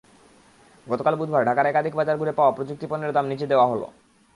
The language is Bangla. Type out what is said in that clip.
গতকাল বুধবার ঢাকার একাধিক বাজার ঘুরে পাওয়া প্রযুক্তিপণ্যের দাম নিচে দেওয়া হলো।